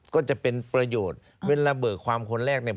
ก็จะเป็นประโยชน์เวลาเบิกความคนแรกเนี่ย